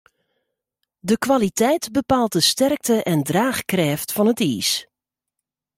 De kwaliteit bepaalt de sterkte en draachkrêft fan it iis.